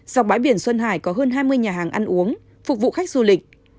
dọc bãi biển xuân hải có hơn hai mươi nhà hàng ăn uống phục vụ khách du lịch